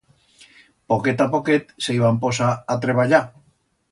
Poquet a poquet se i van posar a treballar.